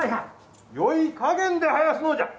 よい加減で囃すのじゃ。